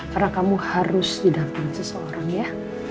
karena kamu harus didapati seseorang ya